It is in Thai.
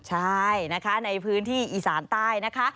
ใช่นะคะในพื้นที่อีสานใต้นะคะ